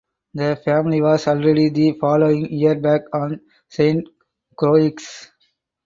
The family was already the following year back on Saint Croix.